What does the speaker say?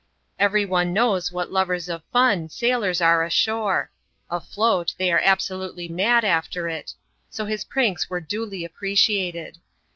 Every one knows what lovers of ftEm sailors are ashore — afloat, they are absolutely mad afber it. So his pranks were duly appreciated.